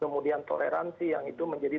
kemudian toleransi yang itu menjadi